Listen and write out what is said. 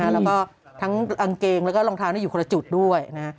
แล้วก็ทั้งกางเกงแล้วก็รองเท้าอยู่คนละจุดด้วย